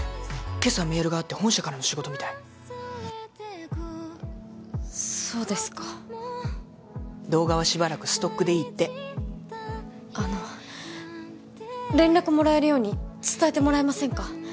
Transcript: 今朝メールがあって本社からの仕事みたいそうですか動画はしばらくストックでいいってあの連絡もらえるように伝えてもらえませんか？